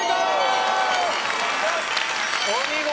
お見事。